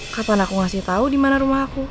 kapan aku ngasih tau dimana rumah aku